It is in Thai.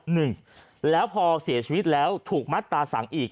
หนึ่งแล้วพอเสียชีวิตแล้วถูกมัดตาสั่งอีก